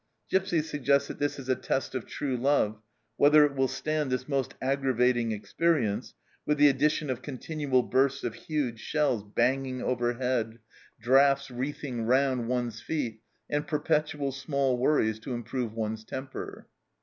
Gipsy suggests that it is a test of true love, whether it will stand this most aggravating experience, with the addition of continual bursts of huge shells banging overhead, draughts wreathing round one's feet, and perpetual small worries to improve one's temper.